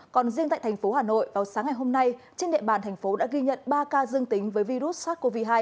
còn riêng tại thành phố hà nội vào sáng ngày hôm nay trên địa bàn thành phố đã ghi nhận ba ca dương tính với virus sars cov hai